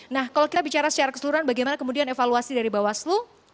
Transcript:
nah kalau kita bicara secara keseluruhan bagaimana kemudian evaluasi dari bawaslu